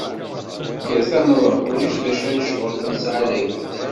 Kkret ad nruḥ, ulac d acu n ccɣel i nesɛa dagi.